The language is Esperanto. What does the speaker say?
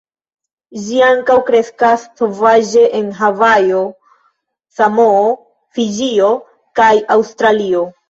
Ĝi ankaŭ kreskas sovaĝe en Havajo, Samoo, Fiĝio kaj Aŭstralio.